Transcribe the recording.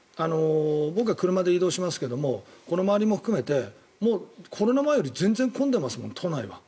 僕は車で移動しますけどこの周りも含めてもうコロナ前より全然混んでます、都内は。